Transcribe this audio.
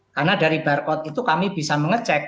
karena dari barcode itu kami bisa mengecek